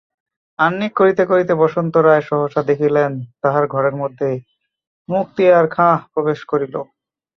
আহ্নিক করিতে করিতে বসন্ত রায় সহসা দেখিলেন, তাঁহার ঘরের মধ্যে মুক্তিয়ার খাঁ প্রবেশ করিল।